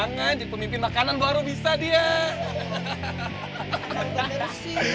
jangan jadi pemimpin makanan baru bisa dia hahaha